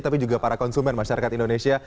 tapi juga para konsumen masyarakat indonesia